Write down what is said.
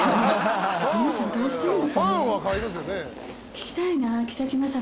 聞きたいな。